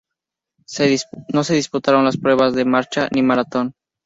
No se disputaron las pruebas de marcha ni maratón.